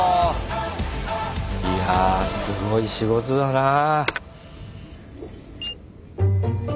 いやあすごい仕事だなあ。